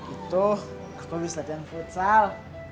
itu aku bisa lihat yang futsal